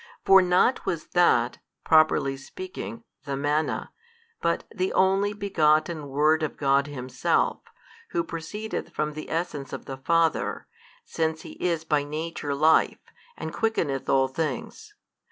For not that was, properly speaking, the manna, but the Only Begotten Word of God Himself, who proceedeth from the Essence of the Father, since He is by Nature Life, and quickeneth all things.